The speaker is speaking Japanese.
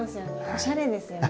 おしゃれですよね。